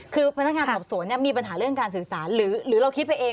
คือพนักงานสอบสวนมีปัญหาเรื่องการสื่อสารหรือเราคิดไปเอง